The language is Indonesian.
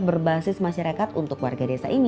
berbasis masyarakat untuk warga desa ini